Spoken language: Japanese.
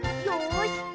よし！